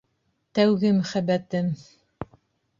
Тәүге мөхәббәтем!